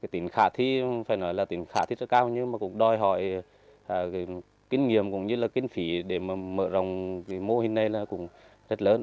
tính khả thi rất cao nhưng cũng đòi hỏi kinh nghiệm cũng như kinh phí để mở rộng mô hình này rất lớn